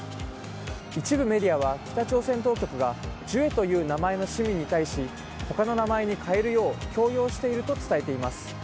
一部メディアは、北朝鮮当局がジュエという名前の市民に対し他の名前に変えるよう強要していると伝えています。